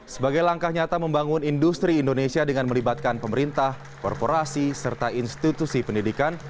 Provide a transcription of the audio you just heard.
sebagai langkah nyata membangun industri indonesia dengan melibatkan pemerintah korporasi serta institusi pendidikan